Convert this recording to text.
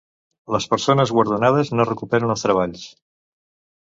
Les persones guardonades no recuperen els treballs.